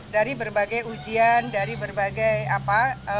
dari berbagai ujian dari berbagai apa